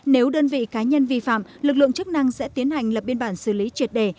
nếu đơn vị cá nhân vi phạm lực lượng chức năng sẽ tiến hành lập biên bản xử lý triệt đề